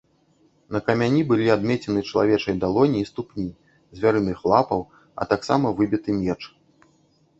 На камяні былі адмеціны чалавечай далоні і ступні, звярыных лапаў, а таксама выбіты меч.